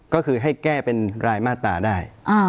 ก็คือให้แก้เป็นรายมาตราได้